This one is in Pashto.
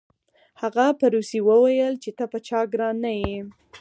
هغه په روسي وویل چې ته په چا ګران نه یې